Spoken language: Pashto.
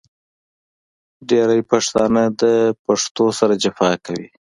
ډېری پښتانه د پښتو سره جفا کوي .